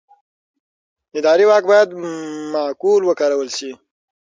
اداري واک باید معقول وکارول شي.